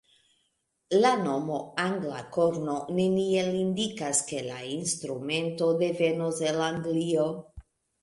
La nomo "angla korno" neniel indikas, ke la instrumento devenus el Anglio.